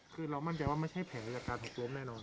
คือเรามั่นใจว่าไม่ใช่แผลจากการหกล้มแน่นอน